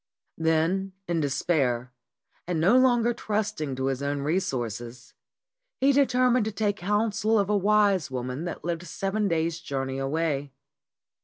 Then in despair, and no longer trusting to his own resources, he determined to take counsel of a wise woman that lived seven days' journey away.